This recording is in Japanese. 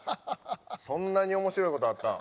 そんなに面白い事あったん？